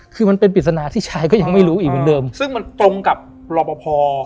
คือมันเป็นปริศนาที่ชายก็ยังไม่รู้อีกเหมือนเดิมซึ่งมันตรงกับรอปภ